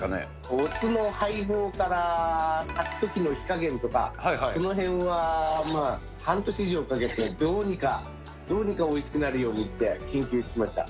お酢の配合から炊くときの火加減とか、そのへんは半年以上かけてどうにか、どうにかおいしくなるようにって研究しました。